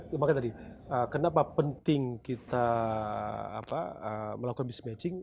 makanya tadi kenapa penting kita melakukan business matching